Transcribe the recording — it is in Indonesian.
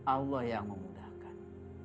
allah yang memudahkan